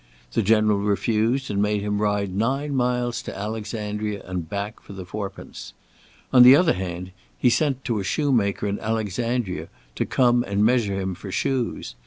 The General refused and made him ride nine miles to Alexandria and back for the fourpence. On the other hand, he sent to a shoemaker in Alexandria to come and measure him for shoes.